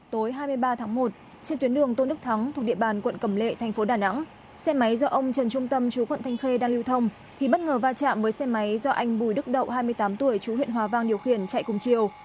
tối hai mươi ba tháng một trên tuyến đường tôn đức thắng thuộc địa bàn quận cầm lệ thành phố đà nẵng xe máy do ông trần trung tâm chú quận thanh khê đang lưu thông thì bất ngờ va chạm với xe máy do anh bùi đức đậu hai mươi tám tuổi chú huyện hòa vang điều khiển chạy cùng chiều